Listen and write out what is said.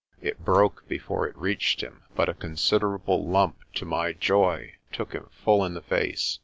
It broke before it reached him, but a considerable lump to my joy took him full in the face.